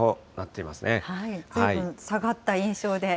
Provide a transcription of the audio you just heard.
ずいぶん下がった印象で。